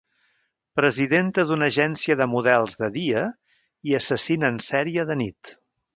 Presidenta d'una agència de models de dia i assassina en sèrie de nit.